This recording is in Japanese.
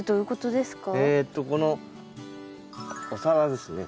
このお皿ですね